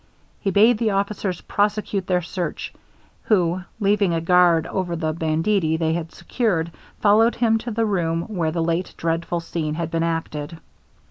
He bade the officers prosecute their search, who, leaving a guard over the banditti they had secured, followed him to the room where the late dreadful scene had been acted.